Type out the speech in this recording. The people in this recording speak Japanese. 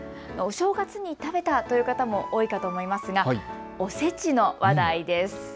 お正月に食べたという方も多いかと思いますがおせちの話題です。